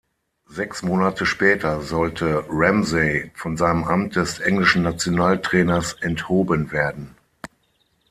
Sechs Monate später sollte Ramsey von seinem Amt des englischen Nationaltrainers enthoben werden.